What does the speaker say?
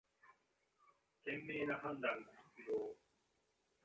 賢明な判断が必要